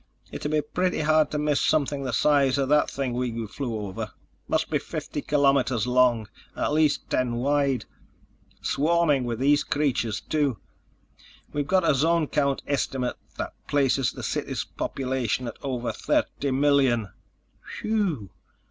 It'd be pretty hard to miss something the size of that thing we flew over. It must be fifty kilometers long and at least ten wide. Swarming with these creatures, too. We've got a zone count estimate that places the city's population at over thirty million." "Whee ew!